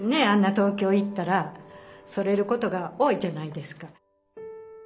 東京行ったらそれることが多いじゃないですか。